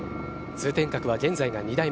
通天閣は現在が２代目。